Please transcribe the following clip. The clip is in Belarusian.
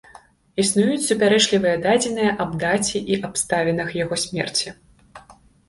Існуюць супярэчлівыя дадзеныя аб даце і абставінах яго смерці.